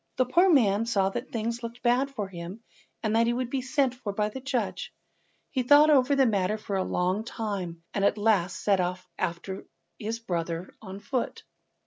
The poor man saw that things looked bad for him, and that he would be sent for by the judge. He thought over the matter for a long time, and at last set off after his brother on foot.